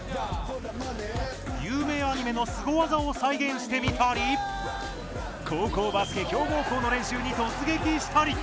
有名アニメのスゴ技を再現してみたり高校バスケ強豪校の練習に突撃したり。